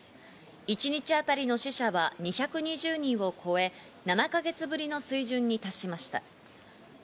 一日当たりの死者は２２０人を超え７か月ぶりの水準に達しました。